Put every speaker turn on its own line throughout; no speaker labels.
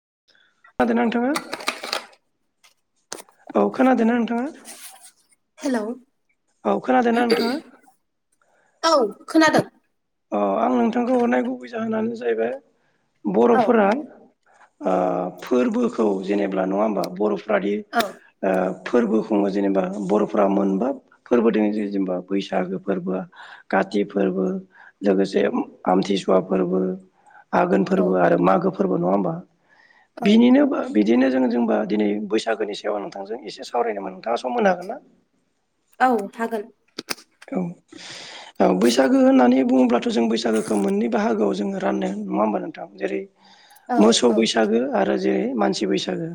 [unintelligible] औ खोनादोना नोंथाङा
हेलौ
औ खोनादोंना नोंथाङा
औ खोनादों
अ आं नोंथांखौ हरनाय गुबै जाहोनानो जाहैबाय
औ
बर'फोरा ओ फोरबोखौ जेनेब्ला नङा होमबा बर'फ्रादि
औ
ओ फोरबो खुङो जेनेबा बर'फ्रा मोनबा फोरबोदों जेनबा बैसागो फोरबो का थि फोरबो लोगोसे आमथिसुवा फोरबो आघोन
औ
फोरबो आरो मागो फोरबो नङा होमबा
औ
बिनिनो बा बिदिनो जों जों होमबा दिनै बैसागोनि सायाव नोंथांजों एसे सावरायनोमोन नोंथाङा सम होनो हागोन ना?
औ हागोन
औ औ बैसागो होननानै बुङोब्लाथ' जों बैसागोखो मोननै बाहागोआव जोङो रानो नुवा होमबा नोंथां। जेरै
औ
मोसौ
औ
बैसागो आरो जेरै मानसि बैसागो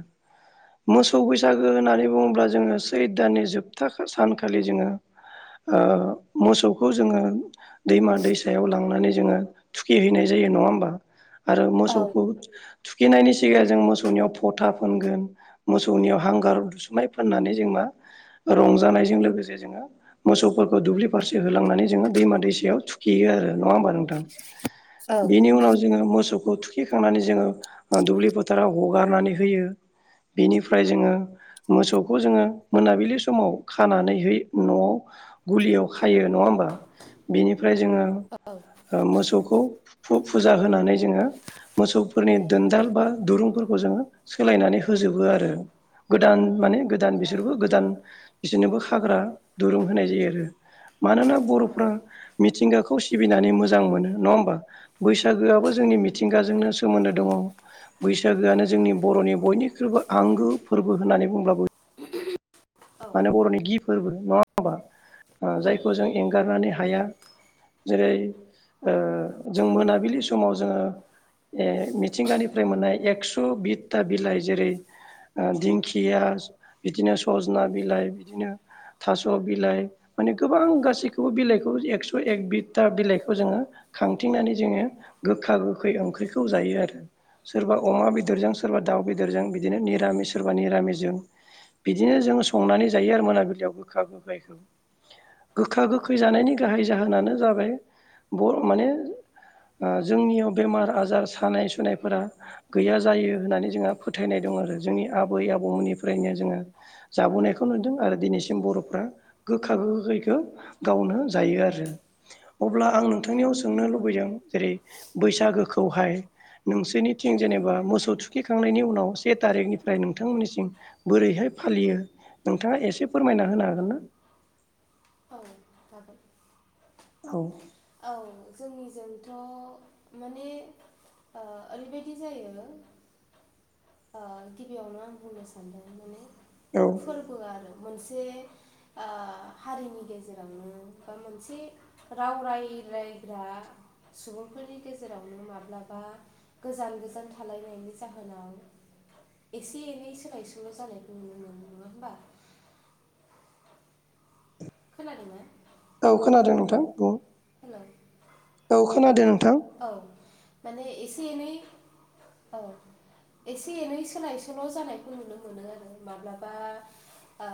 मोसौ बैसागो होनानै बुङोब्ला जोङो सैद दाननि जोबथा सानखालि जोङो ओ मोसौखौ जोङो दैमा दैसायाव लांनानै जोङो थुखि हैैनाय जायो नङा होमबा आरो
औ
मोसौखौ थुखैनायनि सिगां जों मोसौनियाव फथा फोनगोन मोसौनियाव हांगार [unintelligible] फोननानै जों मा रंजानायजों लोगोसे जोङो मोसौफोरखौ दुब्लि फारसे होलांनानै जोङो दैमा दैसायाव थुखेयो आरो नङा होमबा नोंथां
औ
बेनि उनाव जोङो मोसौखौ थु खैखांनानै जोङो ओ दुब्लि फोथाराव हगारनानै होयो। बेनिफ्राय जोङो मोसौखौ जोङो मोनाबिलि समाव खानानैहै न'आव गलियाव खायो नवा होमबा बेनिफ्राय जोङो ओ मोसौ खौ फु-फुजा होनानै जोङो मोसौफोरनि दोनदाल बा दुरुंफोरखौ जोङो सोलायनानै होजोबो आरो। गोदान माने गोदान बिसोरबो गोदान बिसोनोबो हाग्रा दुरुं होनाय जायो आरो। मानोना बर'फ्रा मिथिंगाखौ सिबिनानै मोजां मोनो नवा होमबा बैसागोआबो जोंनि मिथिंगाजोंनो सोमोन्दो दङ'। बैसागोआनो जोंनि बर'नि बयनिख्रुइबो आंगो फोरबो होननानै बुंब्लाबो
औ
मानो बर'नि गि फोरबो नवा होमबा ओ जायखौ जों एंगारनानै हाया। जेरै ओ जों मोनाबिलि समाव जोङो ए मिथिंगानिफ्राय मोननाय एक्स' बिता बिलाइ जेरै ओ दिंखिया बिदिनो सजना बिलाइ बिदिनो थास' बिलाइ माने गोबां गासैखौबो बिलाइखौ एकस' एक बिता बिलाइखौ जोङो खांथिंनानै जोङो गोखा गोखै ओंख्रिखौ जायो आरो। सोरबा अमा बेदरजों सोरबा दाउ बेदरजों बिदिनो निरामिस सोरबा निरामिसजों बिदिनो जों संनानै जायो आरो मोनाबिलियाव गोखा गोखै गोखा गोखै जानायनि गाहाइ जाहोन जाहोनानो जाबाय बर माने ओ जोंनियाव बेमार आजार सानाय सुनायफोरा गैया जायो होननानै जोंहा फोथायनाय दं। दं आरो जोंनि आबै आबौमोननिफ्रायनो जोङो जाबोनायखौ नुदों आरो दिनैसिम बर'फ्रा गोखा गोखैखौ गावनो जायो आरो। अब्ला आं नोंथांनियाव सोंनो लुबैदों जेरै बैसागोखौहाय नोंसोरनि थिं
औ
जेनेबा मोसौ थुखैखांनायनि उनाव से थारिखनिफ्राय नोंथांमोननिसिम बोरैहाय फालियो? नोंथाङा एसे फोरमायना होनो हागोन ना?
औ जागोन।
औ।
औ जोंनिजोंथ' माने ओ ओरैबायदि जायो गिबियावनो आं बुंनो सानदों माने
औ
फोरबो आरो। मोनसे हारिनि गेजेरावनो बा मोनसे राव राय इरायग्रा सुबुंफोरनि गेजेरावनो माब्लाबा गोजान गोजान थालाय नि जाहोनाव एसे एनै सोलाय सोल' जानायखौ नुनो मोनो नङा होमबा? खोनादोंना?
औ [unintelligible]
होलाय
औ खोनादों। नोंथां
औ माने एसे एनै औ एसे एनै सोलाय सोल' जानायखौ नुनो मोनो आरो माब्लाबा आ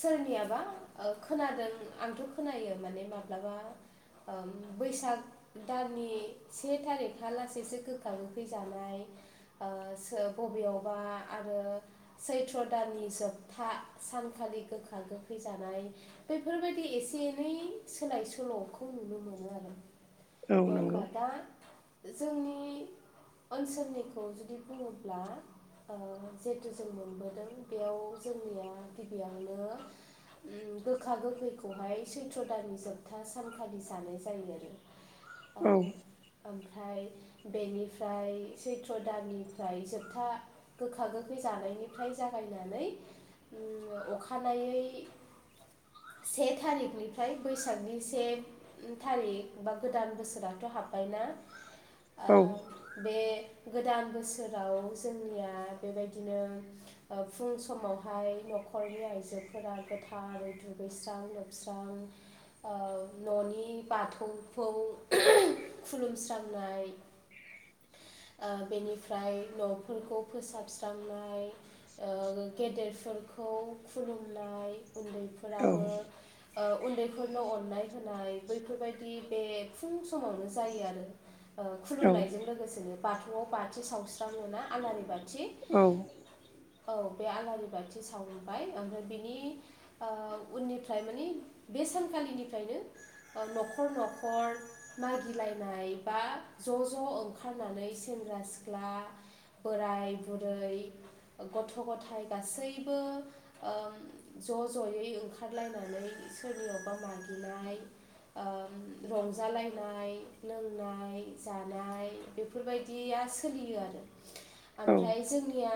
सोरनियाबा खोनादों आंथ' खोनायो माने माब्लाबा ओ बैसाग दाननि से थारिख हा लासैसो गोखा होखैजानाय ओ सो बेयाव आरो सैथ्र' दाननि जोबथा सानखालि गोखा गोखै जानाय बेफोरबायदि एसे एनै सोलाय सोल'खौ नुनो मोनो आरो
औ
नङा होनबा
नंगौ
दा जोंनि ओनसोलनिखौ जुदि बुङोब्ला ओ जिहेथु जों मोनबोदों बेयाव जोंनिया गिबियावनो ओम गोखा गोखैखौहाय सैथ्र' दाननि जोबथा सानखालि जानाय जायो आरो
औ
ओ ओमफ्राय बेनिफ्राय सैथ्र' दाननिफ्राय जोबथा गोखा गोखै जानायनिफ्राय जागायनानै अखानायै से थारिखनिफ्राय बैसागनि से थारिक बा गोदान बोसोर जाथ' हाब्बायना
औ
ओ बे गोदान बोसोराव जोंनिया बेबायदिनो फुं ओ समावहाय नख नखरनि आइजोफोरा गोथारै दुगैस्रां लोबस्रां ओ न'नि बाथौखौ खुलुमस्रांनाय -
[inaudible]
ओ बेनिफ्राय न'फोरखौ फोसाबस्रांनाय ओ गेदेरफोर खौ खुलुमनाय
औ
उन्दैफोराबो ओ उन्दैफोरनो अननाय होनाय बैफोरबायदि बे फुं समावनो जायो आरो ओ
औ
खुलुमनायजों लोगोसेनो बाथौआव बाथि सावस्राां मोना आलारि बाथि
औ
औ बे आलारि बाथि सावबाय ओमफ्राय बिनि ओ उननिफ्राय माने बे सानखालिनिफ्रायनो ओ नखर नखर मागिलायनाय बा ज' ज' ओंखारनानै सेंग्रा सिख्ला बोराय बुरै गथ' गथाइ गासैबो ओ ज' ज' यै ओंखारलायनानै सोरनियावबा मागिनाय ओ रंज जालायनाय लोंनाय जानाय बेफोरबायदिया सोलियो आरो
औ
ओमफ्राय जोंनिया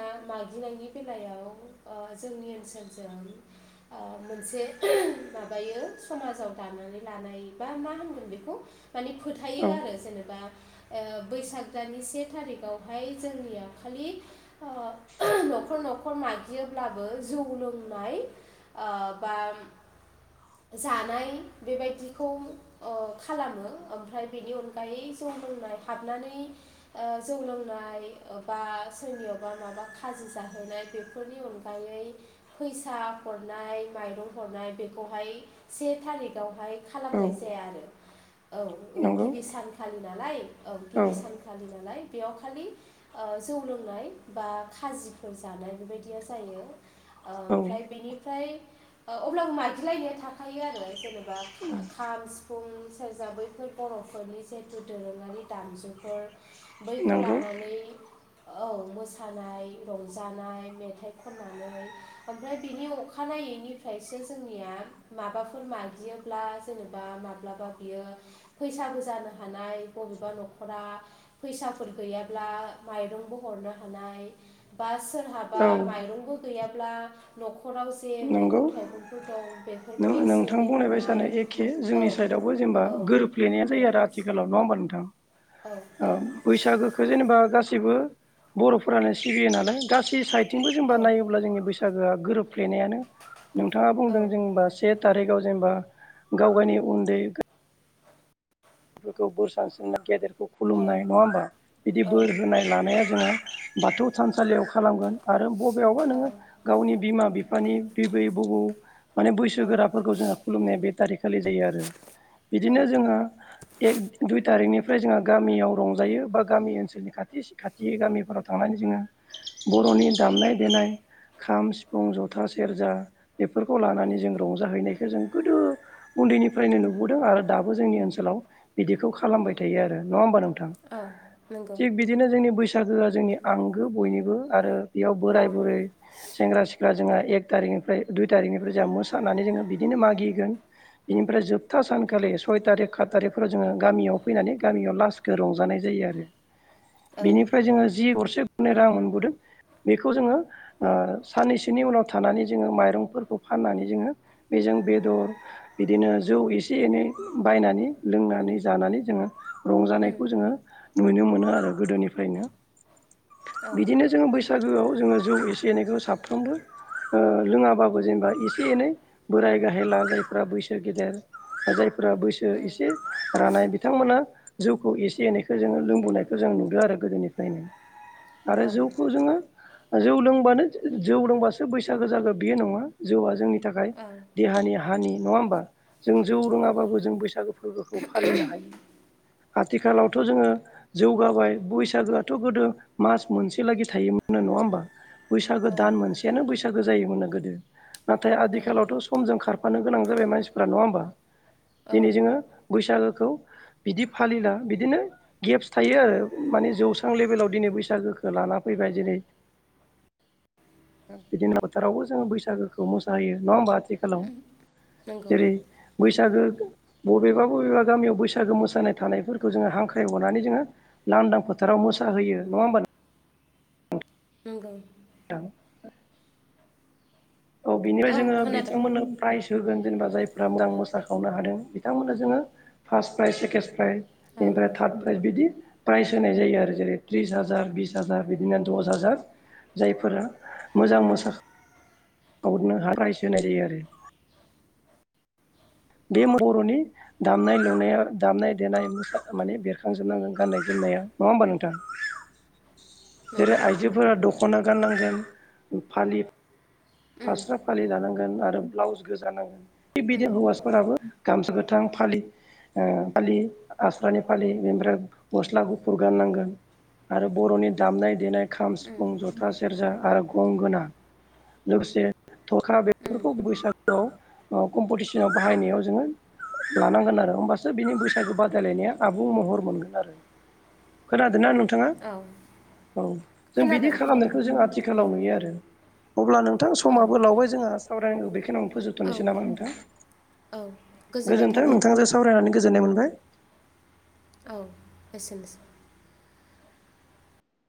[inaudible] माबायो समाजाव दानानै लानाय बा मा होनगोन बेखौ खौ माने
औ
फोथायो आरो जेनेबा ओ बैसाग दाननि से थारिखावहाय जोंनिया खालि ओ न'खर न'ख खर मागियोब्लाबो जौ लोंनाय ओ बा जानाय बेबायदिखौ ओ खालामो ओमफ्राय बेनि अनगायै जौ लोंनाय हाबनानै ओ जौ लोंनाय ओ बा सोरनियावबा माबा खाजि जाहैनाय बेफोरनि अनगायै फैसा हरनाय माइरं हरनाय बेखौहाय से थारिखावहाय
औ
खालामनाय जाया आरो औ ओ
नंगौ
गिबि सानखालि नालाय औ
औ
गिबि सानखालि नाला लाय बेयाव खालि ओ जौ लोंनाय बा खाजिफोर जानाय बेबायदिया जायो ओ
औ
ओमफ्राय बेनिफ्राय ओ अब्लाबो मागिलायनाया थाखायो आरो जेनेबा खा खाम सिफुं सेरजा बैफोर बर'फोरनि जिहेथु दोरोङारि दामजुफोर बैखौ
नंगौ
लानानै औ मोसानाय रंजानाय मेथाइ खननानै ओमफ्राय बिनि अखाना यै निफ्रायसो जोंनिया माबाफोर मागियोब्ला जेनेबा माब्लाबा बियो फैसाबो जानो हानाय बबेबा न'खरा फैसाफोर गैयाब्ला माइरंबो हरनो हानाय बा सोरहाबा
औ
माइरंबो गैयाब्ला न'ख खराव जे
नंगौ
मैगं थाइगंफोर दं
नों
बेफोरखौ एसे
नोंथां
एनै
बुंनाय बायसानो
हरनाय
एखे
औ
जोंनि साइडआवबो जेनेबा
औ
गोरोबफ्लेनाया
औ
जायो आरो आथिखालाव नङा होमबा नोंथां ओ
औ
बैसागोखौ जेनेबा गासिबो बर'फोरानो सिबियो नालाय गासै सायेदथिंबो
औ
जेनबा नायोब्ला जोंनि बैसागुआ गोरोब फ्लेनायानो नोंथाङा बुंदों जोंबा से थारिखाव जेनेबा गाव गायनि उन्दै फोरखौ बोर सारस्रिनाय गेदेरखौ
औ
खुलुमनाय नङा होमबा बिदि
औ
बोर होनाय लानाया जोङो बाथौ थानसालियाव खालामगोन आरो ब बेयावबो
औ
नोङो गावनि बिमा बिफानि बिबै बबौ माने
औ
बैसोगोराफोरखौ जोङो खुलुमनाया बे थारिकखालि जायो आरो
औ
बिदिनो जोङो दुइ थारिकनिफ्राय जोङो गामियाव रंजायो बा गामि ओनसोलनि खाथि खाथि गामिफोराव थांनानै जोङो बर'नि दामनाय देनाय खाम सिफुं जथा सेरजा बेफोरखौ लानानै जों रंजाहैनायखौ जों गोदो उन्दैनिफ्रायनो नुबोदों आरो दाबो जोंनि ओनसोलाव बिदिखौ खालामबाय थायो आरो नङा होमबा नोंथां
औ नंगौ
थिग बिदिनो जोंनि बैस बैसागुआ जोंनि आंगो बयनिबो आरो बेयाव
औ
बोराय बुरै सेंग्रा सिख्ला जोङो एक टारिकनिफ्राय दुइ टारिकनिफ्राय जोंहा मोसानानै जोङो बिदिनो मागिगोन बिनिफ्राय जोबथा सानखालि सय टारिक खाद टारिक फोराव जोङो गामियाव फैनानै गामियाव लासखौ रंजानाय जायो आरो
औ
बिनिफ्राय जोङो जि गरसे गरनै रां मोनबोदों बेखौ जोङो ओ साननैसोनि उनाव थानानै जोङो माइरंफोरखौ फाननानै जोङो बेजों जों बेदर बिदिनो जौ एसे एनै बायनानै लोंनानै जानानै जोङो
उम
रंजानायखौ जोङो। नुनो मोनो आरो गोदोनिफ्रायनो
औ
बिदिनो जोङो बैसागोआव जोङो। जौ एसे एनैखौ साफ्रोमबो लोङाबाबो जेनेबा एसे एनै बोराइ गाहाय लाद। [unintelligible] जायफ बैसो गेदेर आरो जायफ्रा बैसो
उम
एसे रानाय बिथांमोना। जौखौ एसे एनैखौ जोङो लोंबोनायखौ जों नुदो आरो गोदोनिफ्रायनो। आरो
औ
जौखौ जोङो। जौ लोंबानो जौ लोंबासो बैसागो जागो बियो नङा जौआ जोंनि। थाखाय
औ
देहानि हानि नङा होमबा जों जौ रोङाबाबो जों बैसागु। फोरबोखौ फालिनो हायो। आथिखालावथ' जोङो जौगाबाय बैसागोआथ' गोदो मास मोनसे लागि थायोमोन। होनो नङा होमबा बैसागो
औ
दान मोनसेयानो बैसागो जायोमोन्नो गोदो। नाथाय आदिखालावथ' समजों खारफानो गोनां जाबाय मानसिफोरा नङा होमबा
औ
दिनै जोङो। बैसागोखौ। बिदि फालिला बिदिनो गेप्स थायो आरो माने जौस्रां लेभेलाव दिनै बैसागोखौ लाना फै दिनै। बिदिनो फोथारावबो जोङो बैसागोखौ मोसाहोयो नङा होमबा आथिखालाव।
नंगौ
जेरै बैसागो। [unintelligible] बबेबा बबेबा गामियाव बैसागो मोसानाय थानायफोरखौ जोङो हांख्राय हरनानै जोङो लांदां फोथाराव मोसाह होयो। नङा होमबा।
नंगौ।
औ। औ बिनिफ्राय जोङो बिथांमोननो प्राइज। होगोन जेनेबा जायफ्रा मोजां मोसाखावनो हादों बिथांमोननो जोङो फार्स्ट प्राइज सेकेण्ड प्राइज।
औ
बेनिफ्राय थार्द प्राइज बिदि प्राइस होनाय जायो आरो जेरै त्रिस हाजार बिस हाजार बिदिनो दस हाजार जायफोरा मोजां मोसा गावनो हा राइस होनाय जायो आरो। बे बरनि दामनाय लुनायाव दामनाय देनाय मुसा माने बेरखांजोबनांगोन गाननाय जोमनाय। नाया नङा होमबा नोंथां? जेरै
नंगौ
आइजोफोरा दखना गाननांगोन फालि
उम
फास्रा फालि लानांगोन आरो ब्लाउस गोजानांगोन थि बिदि
उम
हौवासाफोराबो गामसा गोथां फालि ओ फालि आस्रानि फालि बेनिफ्राय गस्ला गुफुर गाननांगोन। आरो बरनि दामनाय देनाय खाम
उम
सिफुं जथा सेरजा आरो गं गोना लोगोसे थख्रा
उम
बेफोरखौ बैसागुआव कम्पिटिसनाव बाहायनायाव जोङो लानांगोन आरो होमबासो बिनि बैसागु बादायलायनाया आबुं महर मोनगोन आरो। खोनादों ना नोंथां? नङा
औ
औ जों बिदि
खोनादों खोनादों
खालामनायखौ जों
औ
आथिखालाव नुयो आरो अब्ला
औ
समाबो लावबाय जोंहा साबरायखौ बेखौनो
औ
फोजोबथनोसै नामा नोंथां
औ गोजोननाय
गोजोन्थों
थाबाय
नोंथांजों सावरायनानै गोजोननाय मोनबाय।
औ एसेनोसै।